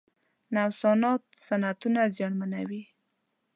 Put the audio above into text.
نوسانات صنعتونه زیانمنوي.